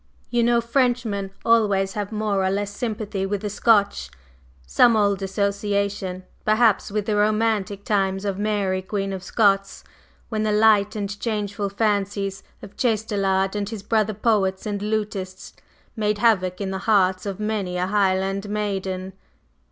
You know Frenchmen always have more or less sympathy with the Scotch some old association, perhaps, with the romantic times of Mary Queen of Scots, when the light and changeful fancies of Chastelard and his brother poets and lutists made havoc in the hearts of many a Highland maiden.